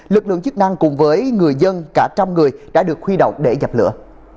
lực lượng chức năng cùng với người dân cả trăm người đã được huy động để dập lửa